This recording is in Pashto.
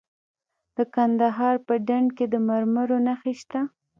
د کندهار په ډنډ کې د مرمرو نښې شته.